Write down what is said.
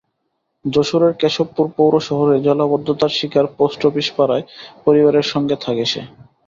যশোরের কেশবপুর পৌর শহরে জলাবদ্ধতার শিকার পোস্ট অফিসপাড়ায় পরিবারের সঙ্গে থাকে সে।